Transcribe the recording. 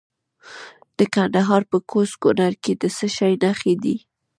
د ننګرهار په کوز کونړ کې د څه شي نښې دي؟